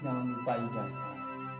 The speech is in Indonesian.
jangan lupa ijazah